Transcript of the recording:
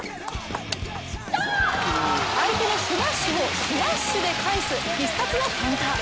相手のスマッシュをスマッシュで返す必殺のカウンター。